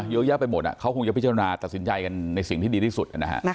เยอะแยะไปหมดเขาคงจะพิจารณาตัดสินใจกันในสิ่งที่ดีที่สุดนะฮะ